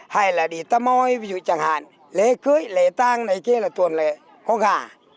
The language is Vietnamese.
hay là đi tam oi ví dụ chẳng hạn lễ cưới lễ tang này kia là tuần lễ có gà